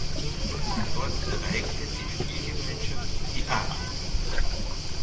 Dort erreichte die Spielgemeinschaft die A-Gruppe.